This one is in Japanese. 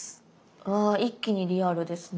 わ一気にリアルですね。